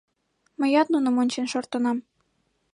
Мыят нуным ончен шортынам...